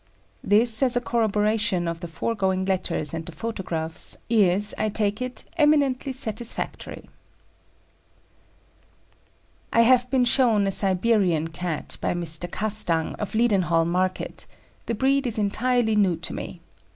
This, as a corroboration of the foregoing letters and the photographs, is, I take it, eminently satisfactory. I have been shown a Siberian Cat, by Mr. Castang, of Leadenhall Market; the breed is entirely new to me.